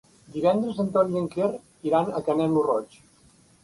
Divendres en Ton i en Quer iran a Canet lo Roig.